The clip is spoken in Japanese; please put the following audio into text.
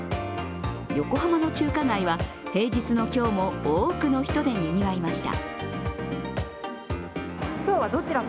横浜の中華街は平日の今日も多くの人でにぎわいました。